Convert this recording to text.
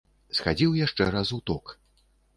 Схадзіў яшчэ раз у ток.